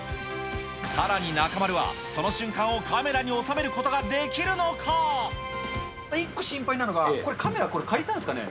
さらに中丸は、その瞬間をカメラ一個心配なのが、カメラ、借りたんですかね。